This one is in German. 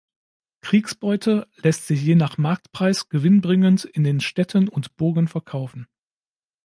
Kriegsbeute lässt sich je nach Marktpreis gewinnbringend in den Städten und Burgen verkaufen.